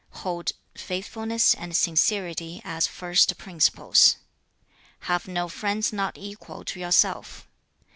2. 'Hold faithfulness and sincerity as first principles. 3. 'Have no friends not equal to yourself.